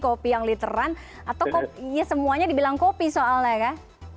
kopi yang literan atau semuanya dibilang kopi soalnya ya